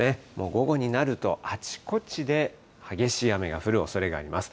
午後になるとあちこちで激しい雨が降るおそれがあります。